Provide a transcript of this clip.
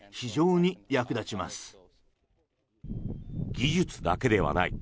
技術だけではない。